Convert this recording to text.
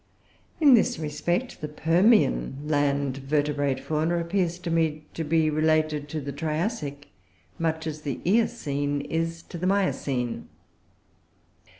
In this respect, the Permian land Vertebrate fauna appears to me to be related to the Triassic much as the Eocene is to the Miocene.